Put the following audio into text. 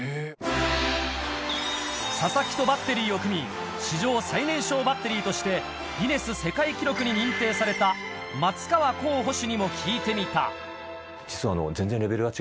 佐々木とバッテリーを組み史上最年少バッテリーとしてギネス世界記録に認定されたにも聞いてみた実は。を達成しました